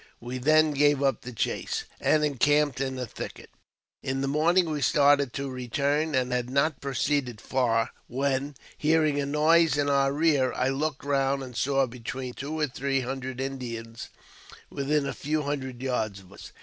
We then gave up the chase, and encamped in a thicket. In the morning we started to return, and. had not proceeded far, when, hearing a noise in our rear, I looked round, and saw between two or three hundred Indians within a few hundred yards of us.